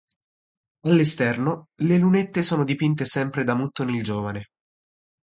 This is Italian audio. All'esterno le lunette sono dipinte sempre da Muttoni il giovane.